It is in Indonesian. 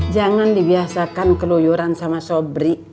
jangan dibiasakan keluyuran sama sobri